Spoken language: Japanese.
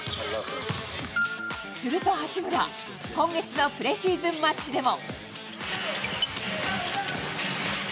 すると八村、今月のプレシーズンマッチでも。